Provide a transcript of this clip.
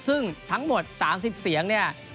ซึ่งทั้งหมด๓๐เสียงเนี่ย